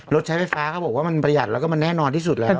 รถใช้ไฟฟ้าเขาบอกว่ามันประหยัดแล้วก็มันแน่นอนที่สุดแล้ว